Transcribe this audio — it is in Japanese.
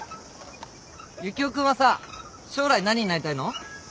ユキオ君はさ将来何になりたいの？